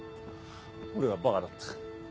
俺が馬鹿だった。